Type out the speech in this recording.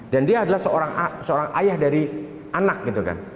dan dia adalah seorang ayah dari anak gitu kan